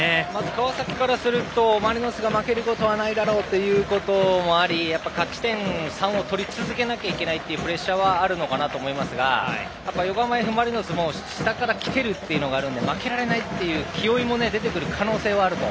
川崎からするとマリノスが負けることはないだろうということもあり勝ち点３を取り続けなければいけないというプレッシャーはあるのかなと思いますが横浜Ｆ・マリノスも下から来ているので負けられないという気負いも出てくる可能性もあると。